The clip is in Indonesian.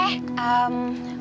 eh mau jamu apa